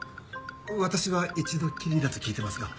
私は一度きりだと聞いてますが。